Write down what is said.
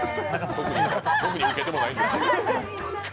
特にウケてもないんですけど。